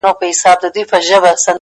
چي هغه ستا سيورى له مځكي ورك سو;